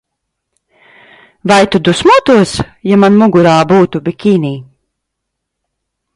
Vai tu dusmotos, ja man mugurā būtu bikini?